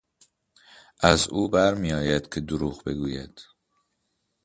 از او بر میآید که دروغ بگوید.